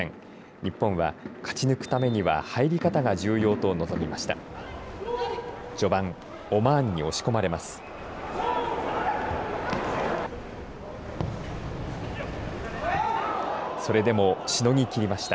日本は勝ち抜くためには入り方が重要と臨みました。